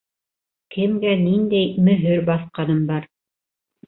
Кемгә ниндәй мөһөр баҫҡаным бар?